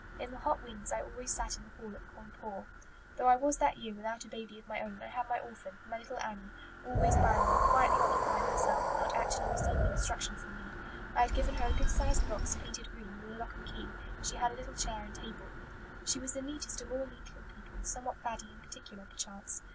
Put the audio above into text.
In the hot winds I always sat in the hall at Cawnpore. Though I was that year without a baby of my own, I had my orphan, my little Annie, always by me, quietly occupying herself when not actually receiving instruction from me. I had given her a good sized box, painted green, with a lock and key; she had a little chair and table. "She was the neatest of all neat little people, somewhat faddy and particular, perchance.